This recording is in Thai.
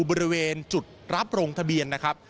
บริเวณจุดรับลงทะเบียนนะครับ